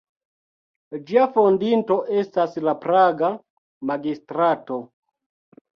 Ĝia fondinto estas la praga magistrato.